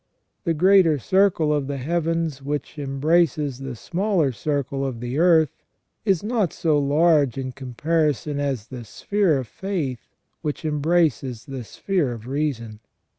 The greater circle of the heavens which embraces the smaller circle of the earth is not so large in comparison as the sphere of faith which embraces the sphere of reason.